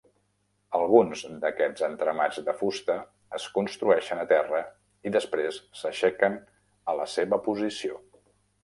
Alguns d'aquests entramats de fusta es construeixen a terra i després s'aixequen a la seva posició.